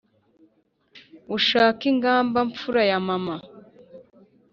Ushake ingamba mfura ya Mama